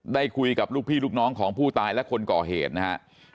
ได้คุยกับลูกพี่ลูกน้องของผู้ตายและคนก่อเหตุนะครับ